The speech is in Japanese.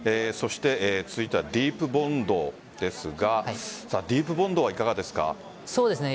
続いてはディープボンドですがディープボンドはいかがですか？